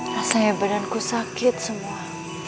rasanya badanku sakit semua